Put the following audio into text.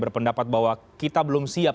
berpendapat bahwa kita belum siap